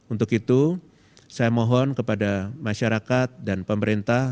untuk itu saya mohon kepada masyarakat dan pemerintah